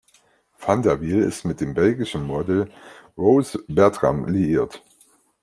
Van der Wiel ist mit dem belgischen Model Rose Bertram liiert.